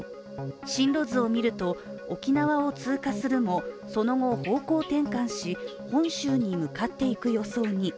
進路図を見ると、沖縄を通過するも、その後方向転換し、本州に向かっていく予想に。